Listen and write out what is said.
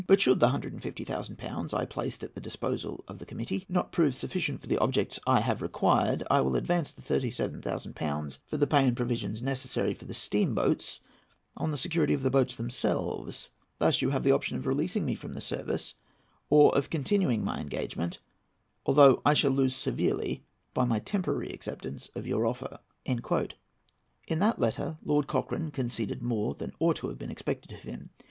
But should the 150,000£ placed at the disposal of the Committee not prove sufficient for the objects I have required, I will advance the 37,000£ for the pay and provisions necessary for the steamboats on the security of the boats themselves. Thus you have the option of releasing me from the service, or of continuing my engagement, although I shall lose severely by my temporary acceptance of your offer." In that letter Lord Cochrane conceded more than ought to have been expected of him.